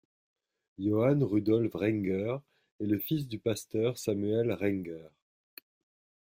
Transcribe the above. Johann Rudolph Rengger est le fils du pasteur Samuel Rengger.